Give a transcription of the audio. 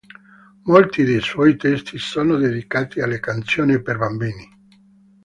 Molti dei suoi testi sono dedicati alle canzoni per bambini.